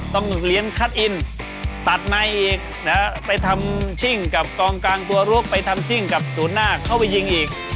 ต้องเรียนคัทอินตัดในอีกไปทำชิ่งกับกองกลางบัวลุกไปทำชิ่งกับศูนย์หน้าเข้าไปยิงอีก